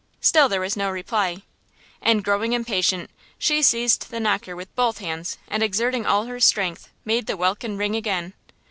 Still there was no reply. And growing impatient, she seized the knocker with both hands and exerting all her strength, made the welkin ring again!